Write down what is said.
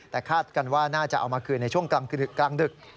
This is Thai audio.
แต่คาดกันว่าน่าจะเอามาคืนในช่วงกลางดึก